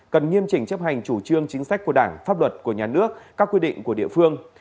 cần nghiêm chỉnh chấp hành chủ trương chính sách của đảng pháp luật của nhà nước các quy định của địa phương